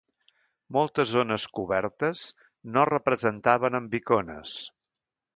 Moltes zones cobertes no es representaven amb icones.